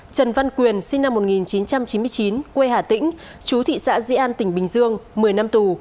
trần văn quyền sinh năm một nghìn chín trăm chín mươi chín quê hà tĩnh chú thị xã di an tỉnh bình dương một mươi năm tù